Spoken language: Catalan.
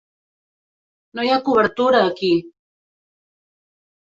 No hi ha cobertura, aquí!